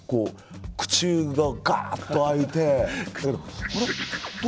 口がガーッと開いて。